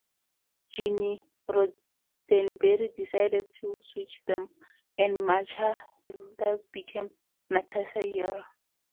Gene Roddenberry decided to switch them, and Macha Hernandez became Natasha Yar.